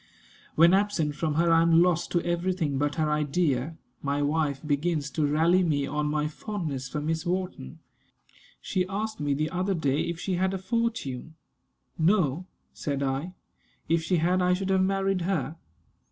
When absent from her I am lost to every thing but her idea. My wife begins to rally me on my fondness for Miss Wharton. She asked me the other day if she had a fortune. "No," said I; "if she had I should have married her."